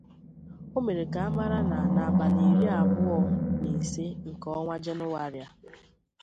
O mere ka a mara na n'abalị iri abụọ na ise nke ọnwa Jenụwarịa a